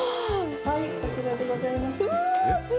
こちらでございます。